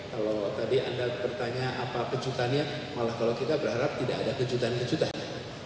kalau tadi anda bertanya apa kejutannya malah kalau kita berharap tidak ada kejutan kejutan